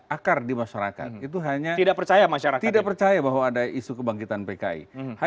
akar di masyarakat itu hanya tidak percaya bahwa ada isu kebangkitan pki